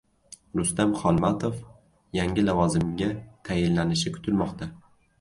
Rustam Xolmatov yangi lavozimga tayinlanishi kutilmoqda